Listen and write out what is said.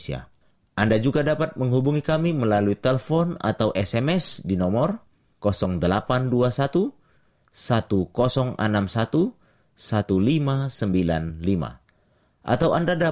sampai jumpa di video selanjutnya